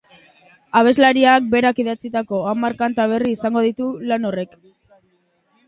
Abeslariak, berak, idatzitako hamar kanta berri izango ditu lan horrek.